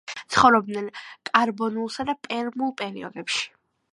ცხოვრობდნენ კარბონულსა და პერმულ პერიოდებში.